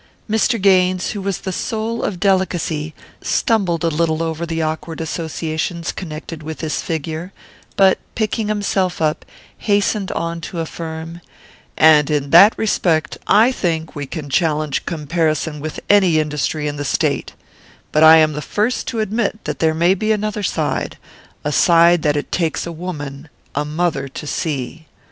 Mr. Gaines, who was the soul of delicacy, stumbled a little over the awkward associations connected with this figure, but, picking himself up, hastened on to affirm: "And in that respect, I think we can challenge comparison with any industry in the state; but I am the first to admit that there may be another side, a side that it takes a woman a mother to see.